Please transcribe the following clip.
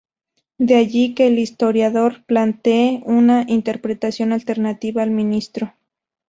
De allí que el historiador plantee una interpretación alternativa del Ministro.